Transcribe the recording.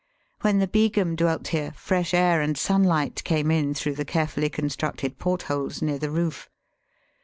When the Begum dwelt here, fresh air and sunhght came in through the care fully constructed portholes near the roof.